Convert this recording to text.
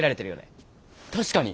確かに。